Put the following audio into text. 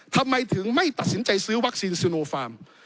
ทำไมถึงไม่ตัดสินใจซื้อวัคซีนซิโนฟาร์ม